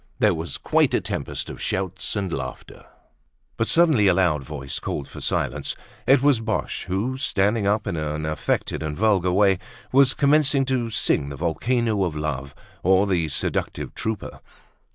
There was quite a tempest of shouts and laughter. But suddenly a loud voice called for silence. It was Boche who, standing up in an affected and vulgar way, was commencing to sing "The Volcano of Love, or the Seductive Trooper."